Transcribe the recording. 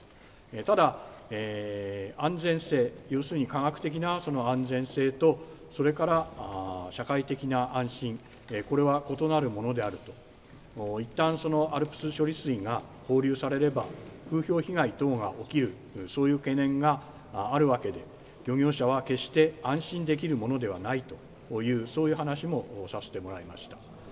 ただ、安全性、要するに科学的な安全性と、それから社会的な安心、これは異なるものであると、いったんＡＬＰＳ処理水が放流されれば、風評被害等が起きる、そういう懸念があるわけで、漁業者は決して安心できるものではないという、そういう話もさせてもらいました。